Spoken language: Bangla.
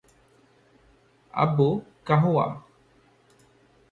আব্বু, কাহওয়া।